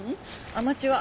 アマチュア。